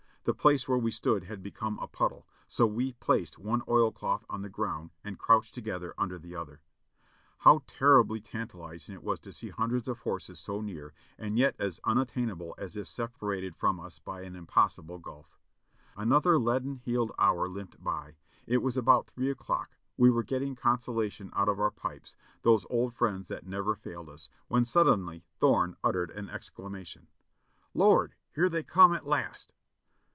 The place where we stood had become a puddle, so we placed one oilcloth on the ground and crouched together under the other. How terribly tantalizing it was to see hundreds of horses so near and yet as unattainable as if separated from us by an impassable gulf. Another leaden heeled hour limped by. It was about three o'clock ; we were getting consolation out of our pipes, those old friends that never failed us, when suddenly Thorne uttered an ex clamation : "Lord ! here they come at last